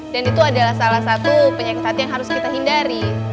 dan itu adalah salah satu penyakit hati yang harus kita hindari